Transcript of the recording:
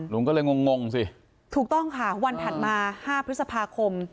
ลุงก็เลยงงสิถูกต้องค่ะวันถัดมา๕พฤษภาคม